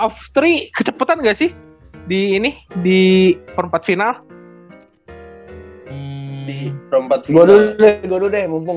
of three kecepetan enggak sih di ini di perempat final di perempat gue dulu deh gue dulu deh mumpung